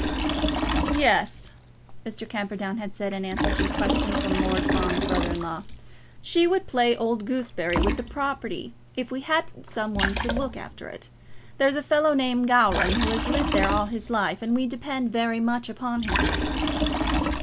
"Yes," Mr. Camperdown had said in answer to a question from Lord Fawn's brother in law; "she would play old gooseberry with the property if we hadn't some one to look after it. There's a fellow named Gowran who has lived there all his life, and we depend very much upon him."